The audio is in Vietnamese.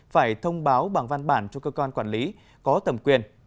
phải thông báo bằng văn bản cho cơ quan quản lý có tầm quyền